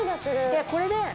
でこれで。